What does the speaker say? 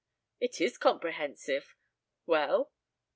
"It is comprehensive! Well?"